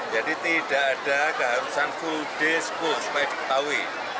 jadi tidak ada keharusan full day school supaya diketahui